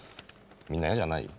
みんな嫌じゃない？